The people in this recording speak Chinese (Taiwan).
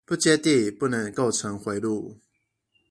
不接地不能構成迴路